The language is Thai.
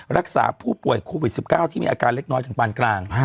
รักษาผู้ป่วยโควิด๑๙ที่มีอาการเล็กน้อยถึงปานกลาง